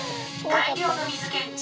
「大量の水検知！